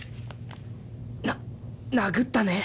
な殴ったね。